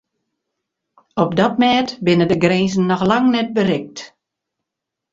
Op dat mêd binne de grinzen noch lang net berikt.